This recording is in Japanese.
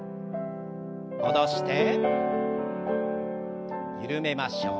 戻して緩めましょう。